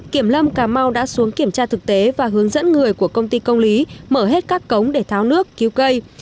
kiểm lâm cà mau đã xuống kiểm tra thực tế và hướng dẫn người của công ty công lý mở hết các cống để tháo nước cứu cây